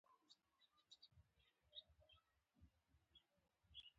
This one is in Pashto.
د پلار تندی د زحمتونو نښه لري.